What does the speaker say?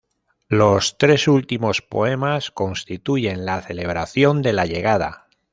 Los tres últimos poemas constituyen la celebración de la llegada.